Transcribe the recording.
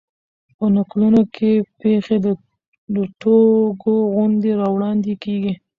په نکلونو کښي پېښي د ټوګو غوندي وړاندي کېږي.